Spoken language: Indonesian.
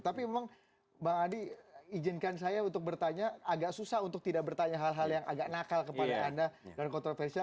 tapi memang bang adi izinkan saya untuk bertanya agak susah untuk tidak bertanya hal hal yang agak nakal kepada anda dan kontroversial